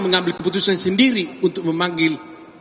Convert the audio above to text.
mengambil keputusan sendiri untuk memanggil